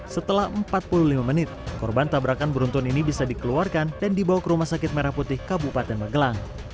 setelah empat puluh lima menit korban tabrakan beruntun ini bisa dikeluarkan dan dibawa ke rumah sakit merah putih kabupaten magelang